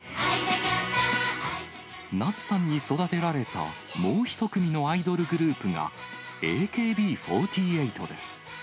夏さんに育てられたもう１組のアイドルグループがＡＫＢ４８です。